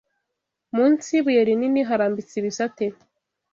munsi y’ibuye rinini, harambitse ibisate